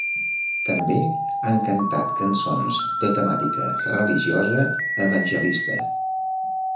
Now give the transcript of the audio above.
També han cantat cançons de temàtica religiosa evangelista.